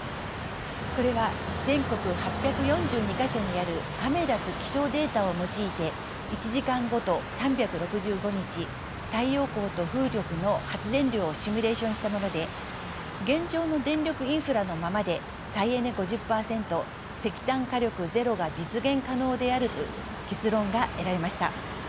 これは全国８４２か所にあるアメダス気象データを用いて１時間ごと３６５日太陽光と風力の発電量をシミュレーションしたもので現状の電力インフラのままで再エネ５０％石炭火力ゼロが実現可能であると結論が得られました。